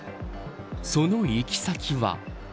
その行き先は。